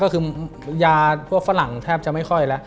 ก็คือยาพวกฝรั่งแทบจะไม่ค่อยแล้ว